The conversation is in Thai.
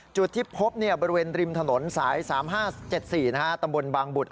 จุดที่พบบริเวณริมถนนสาย๓๕๗๔ตำบลบางบุตร